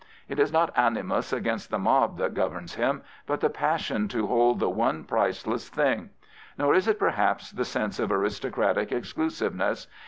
It is not animus against the mob that governs him, but the passion to hold the one priceless thing. Nor is it, perhaps, the sense of aristocratic exclusiveness.